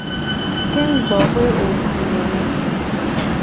Kengugboxue wo le sii nene a?